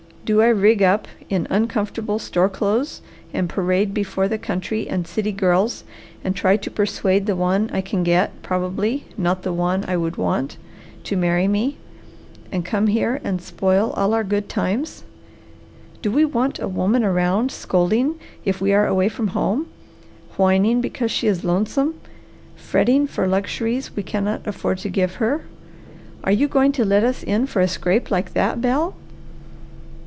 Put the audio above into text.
Do I rig up in uncomfortable store clothes, and parade before the country and city girls and try to persuade the one I can get, probably not the one I would want to marry me, and come here and spoil all our good times? Do we want a woman around scolding if we are away from home, whining because she is lonesome, fretting for luxuries we cannot afford to give her? Are you going to let us in for a scrape like that, Bel?"